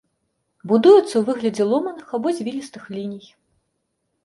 Будуюцца ў выглядзе ломаных або звілістых ліній.